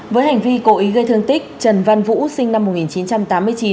với hành vi cố ý gây thương tích trần văn vũ sinh năm một nghìn chín trăm tám mươi chín